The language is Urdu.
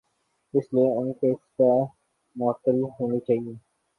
اسی لئے ان کی سزا معطل ہونی چاہیے۔